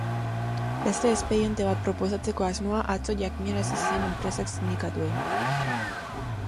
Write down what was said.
Beste espediente bat proposatzeko asmoa atzo jakinarazi zien enpresak sindikatuei.